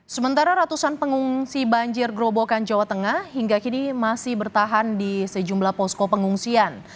sementara ratusan pengungsi banjir gerobokan jawa tengah hingga kini masih bertahan di sejumlah posko pengungsian